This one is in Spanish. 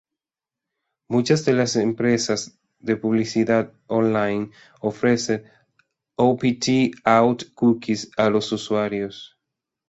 Muchas de las empresas de publicidad online ofrecen ""opt-out cookies"" a los usuarios.